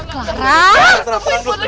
kenapa putri masih hidup digo